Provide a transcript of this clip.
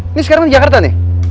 ini sekarang di jakarta nih